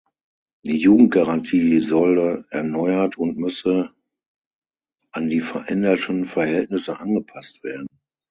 Die Jugendgarantie solle erneuert und müsse an die veränderten Verhältnisse angepasst werden.